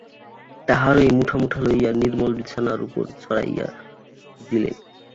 তাহারই মুঠা মুঠা লইয়া নির্মল বিছানার উপর ছড়াইয়া দিলেন।